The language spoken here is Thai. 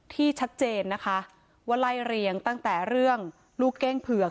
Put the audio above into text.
ชัดเจนนะคะว่าไล่เรียงตั้งแต่เรื่องลูกเก้งเผือก